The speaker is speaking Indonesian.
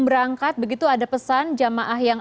berangkat begitu ada pesan jamaah yang